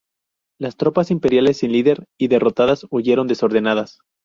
Las tropas imperiales sin líder y derrotadas huyeron desordenadas.